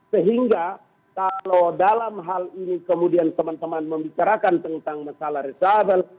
sehingga kalau dalam hal ini kemudian teman teman membicarakan tentang masalah reshuffle